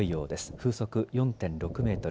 風速４．６メートル。